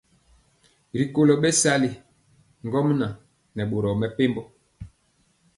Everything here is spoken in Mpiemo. D@Rikolo bɛsali ŋgomnaŋ nɛ boro mepempɔ.